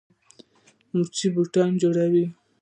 موچي بوټان جوړوي.